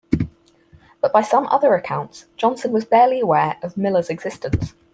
But by some other accounts, Johnson was barely aware of Miller's existence.